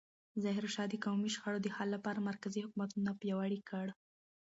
ظاهرشاه د قومي شخړو د حل لپاره مرکزي حکومت پیاوړی کړ.